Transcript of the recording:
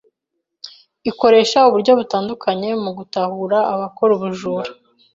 ikoresha uburyo butandukanye mu gutahura abakora ubujura